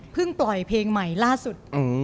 เพิ่งปล่อยเพลงใหม่ล่าสุด